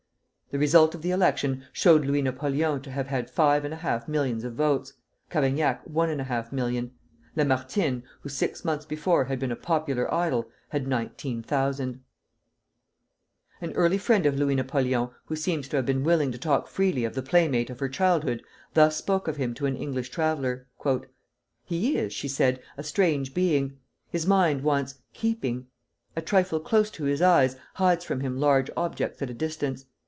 The result of the election showed Louis Napoleon to have had five and a half millions of votes; Cavaignac one and a half million; Lamartine, who six months before had been a popular idol, had nineteen thousand. [Illustration: LOUIS NAPOLEON. (The Prince President.)] An early friend of Louis Napoleon, who seems to have been willing to talk freely of the playmate of her childhood, thus spoke of him to an English traveller. "He is," she said, "a strange being. His mind wants keeping. A trifle close to his eyes hides from him large objects at a distance....